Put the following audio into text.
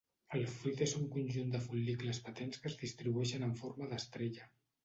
El fruit és un conjunt de fol·licles patents que es distribueixen en forma d'estrella.